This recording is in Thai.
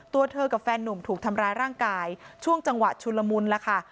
ตัวเธอกับแฟนหนุ่มถูกทำร้ายร่างกายช่วงจังหวะชุนละมุนแล้วค่ะ